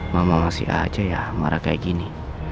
mama masih aja ya marah kayak gini